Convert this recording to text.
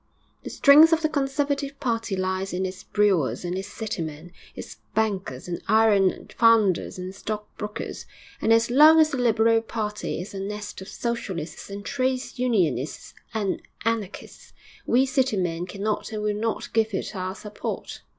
The strength of the Conservative party lies in its brewers and its city men, its bankers and iron founders and stockbrokers; and as long as the Liberal party is a nest of Socialists and Trades Unionists and Anarchists, we city men cannot and will not give it our support.'